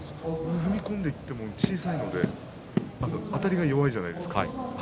踏み込んでいっても小さいのであたりが弱いじゃないですか。